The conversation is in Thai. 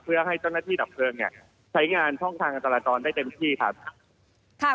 เพื่อให้เจ้าหน้าที่ดับเพลิงเนี่ยใช้งานช่องทางการจราจรได้เต็มที่ครับ